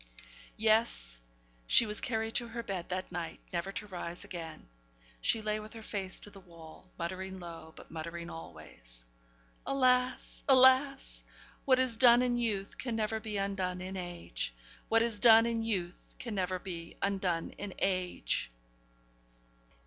Yes! she was carried to her bed that night never to rise again. She lay with her face to the wall, muttering low, but muttering always: 'Alas! alas! what is done in youth can never be undone in age! What is done in youth can never be undone in age!'